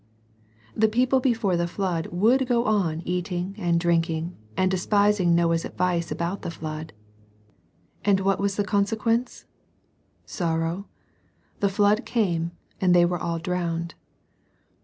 The people before the flood would go on eating, and drinking, and despising Noah's ad vice about the flood. And what was the con sequence ? Sorrow. The flood came, and they were all' drowned.